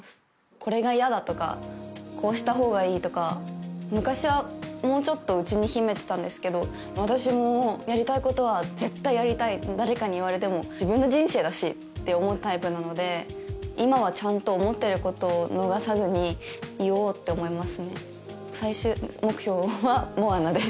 これが嫌だとかこうした方がいいとか昔はもうちょっと内に秘めてたんですけど私もやりたいことは絶対やりたい誰かに言われても自分の人生だしって思うタイプなので今はちゃんと思ってることを逃さずに言おうって思いますね最終目標はモアナです